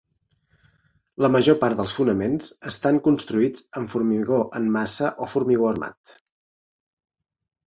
La major part dels fonaments estan construïts amb formigó en massa o formigó armat.